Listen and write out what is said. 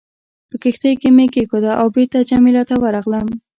په کښتۍ کې مې کېښوده او بېرته جميله ته ورغلم.